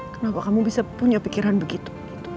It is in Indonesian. kenapa kamu bisa punya pikiran begitu